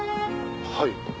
はい。